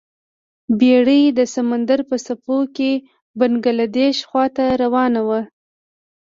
بیړۍ د سمندر په څپو کې بنګلادیش خواته روانه وه.